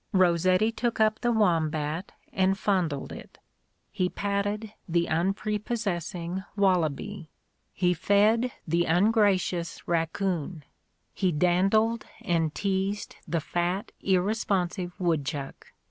Rossetti took up the wombat and fondled it : he patted the unprepossessing wallaby : he fed the A DAY WITH ROSSETTI. ungracious racoon : he dandled and teased the fat irresponsive woodchuck.